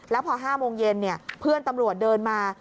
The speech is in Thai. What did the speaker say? แล้วพอ๕โมงเย็นเพื่อนตำรวจเดินมา